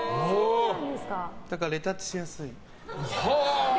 だから、レタッチしやすい。